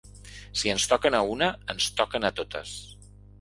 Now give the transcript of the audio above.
Si ens toquen a una, ens toquen a totes!